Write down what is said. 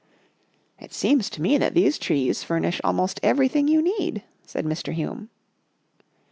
" It seems to me that these trees furnish al most everything you need," said Mr. Hume.